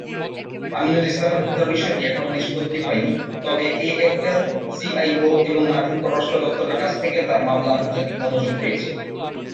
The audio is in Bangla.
আমিনুল ইসলামের হত্যার বিষয়টি এখনও নিষ্পত্তি হয়নি, তবে এএফএল-সিআইও এবং মার্কিন পররাষ্ট্র দফতরের কাছ থেকে তার মামলা আন্তর্জাতিক মনোযোগ পেয়েছে।